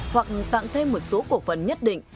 hoặc tặng thêm một số cổ phần nhất định